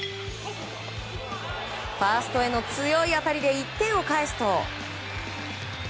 ファーストへの強い当たりで１点を返すと。